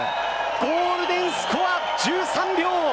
ゴールデンスコア、１３秒。